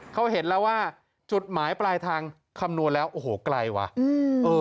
เขาเห็นแล้วว่าจุดหมายปลายทางคำนวณแล้วโอ้โหไกลว่ะอืมเออ